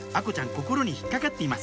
心に引っかかっています